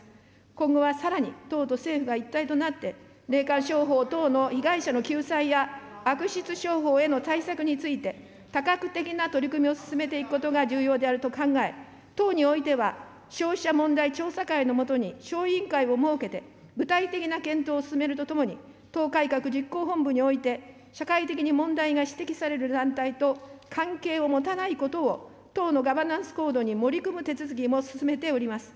今後はさらに、党と政府が一体となって、霊感商法等の被害者の救済や悪質商法への対策について、多角的な取り組みを進めていくことが重要であると考え、党においては消費者問題調査会の下に小委員会を設けて、具体的な検討を進めるとともに、党改革実行本部において社会的に問題が指摘される団体と関係を持たないことを、党のガバナンスコードに盛り込む手続きも進めております。